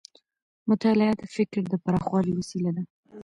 مطالعه د فکر د پراخوالي وسیله ده.